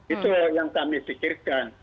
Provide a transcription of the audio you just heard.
itu yang kami pikirkan